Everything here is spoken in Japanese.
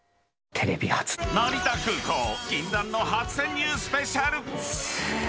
成田空港禁断の初潜入スペシャル。